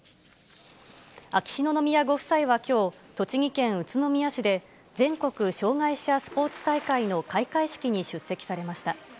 秋篠宮ご夫妻はきょう、栃木県宇都宮市で全国障害者スポーツ大会の開会式に出席されました。